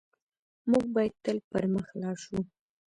موږ بايد تل پر مخ لاړ شو.